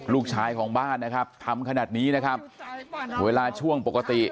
ลูกชายของบ้านนะครับทำขนาดนี้นะครับเวลาช่วงปกติ